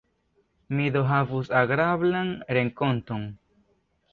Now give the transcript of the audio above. Mi do havus agrablan renkonton!